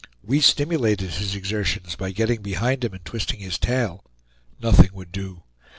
We stimulated his exertions by getting behind him and twisting his tail; nothing would do.